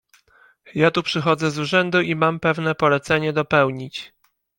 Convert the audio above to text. "Ja tu przychodzę z urzędu i mam pewne polecenie dopełnić."